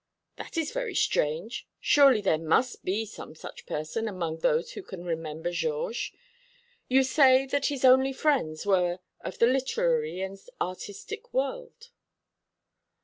"That is very strange. Surely there must be some such person among those who can remember Georges. You say that his only friends were of the literary and artistic world."